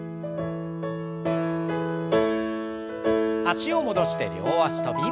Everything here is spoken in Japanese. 脚を戻して両脚跳び。